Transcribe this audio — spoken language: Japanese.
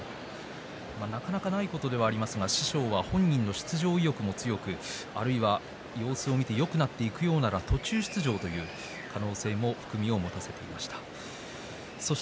なかなかないことではありますが本人の出場意欲も強く様子を見てよくなっているようだったら途中出場ということで含みを持たせていました。